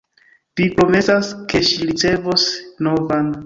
Vi promesas, ke ŝi ricevos novan.